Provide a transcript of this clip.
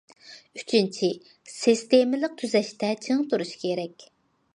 ئۈچىنچى، سىستېمىلىق تۈزەشتە چىڭ تۇرۇش كېرەك.